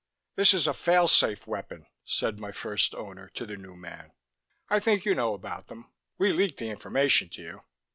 "This is a fail safe weapon," said my first owner to the new man. "I think you know about them. We leaked the information to you.